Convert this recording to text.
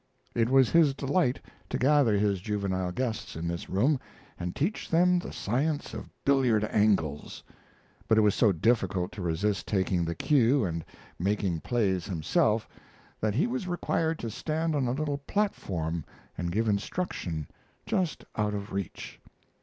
It was his delight to gather his juvenile guests in this room and teach them the science of billiard angles; but it was so difficult to resist taking the cue and making plays himself that he was required to stand on a little platform and give instruction just out of reach.